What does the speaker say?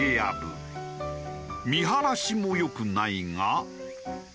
見晴らしも良くないが。